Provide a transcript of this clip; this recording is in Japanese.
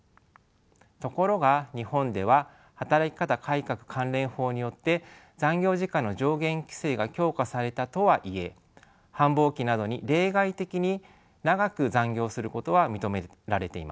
ところが日本では働き方改革関連法によって残業時間の上限規制が強化されたとはいえ繁忙期などに例外的に長く残業をすることは認められています。